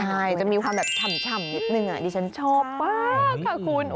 ใช่จะมีความแบบฉ่ำนิดนึงดิฉันชอบมากค่ะคุณ